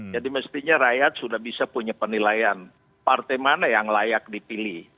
jadi mestinya rakyat sudah bisa punya penilaian partai mana yang layak dipilih